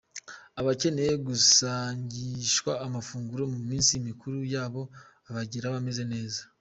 Abakeneye gusangishwa amafunguro mu minsi mikuru yabo abageraho ameze neza.